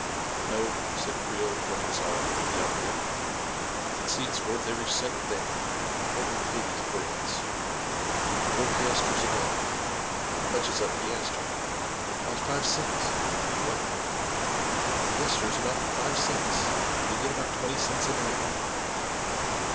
" No," said Creel, running his eye over the out fit; "I can see it's worth every cent of that. What do we pay these brigands ?"" Four piastres a day." " How much is a piastre ?"" About five cents." "What?" "A piastre is about five cents — they get about twenty cents a day."